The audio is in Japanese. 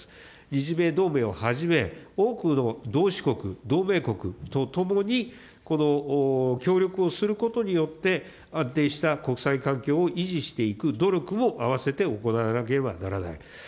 日米同盟をはじめ、多くの同志国、同盟国と共に、この協力をすることによって、安定した国際環境を維持していく努力もあわせて行わなければならない。